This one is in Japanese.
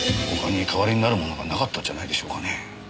他に代わりになるものがなかったんじゃないでしょうかね。